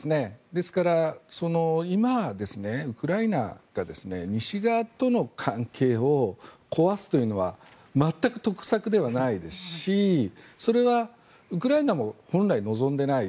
ですから今、ウクライナが西側との関係を壊すというのは全く得策ではないですしそれはウクライナも本来望んでいない。